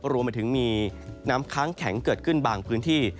รวมไปถึงมีน้ำค้างแข็งเกิดขึ้นบางพื้นที่